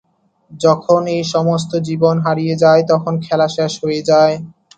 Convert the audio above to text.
যখন এই সমস্ত জীবন হারিয়ে যায়, তখন খেলা শেষ হয়ে যায়।